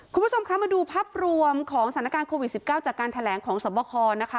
คุณผู้ชมคะมาดูภาพรวมของสถานการณ์โควิด๑๙จากการแถลงของสวบคอนะคะ